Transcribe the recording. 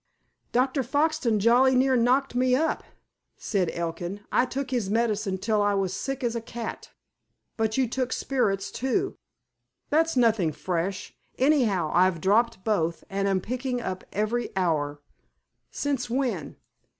"Dr. Foxton jolly near knocked me up," said Elkin. "I took his medicine till I was sick as a cat." "But you took spirits, too." "That's nothing fresh. Anyhow, I've dropped both, and am picking up every hour." "Since when?"